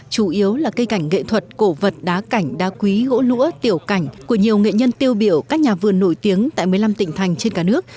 chủ yếu là cây cảnh nghệ thuật cổ vật đá cảnh đá quý gỗ lũa tiểu cảnh của nhiều nghệ nhân tiêu biểu các nhà vườn nổi tiếng tại một mươi năm tỉnh thành trên cả nước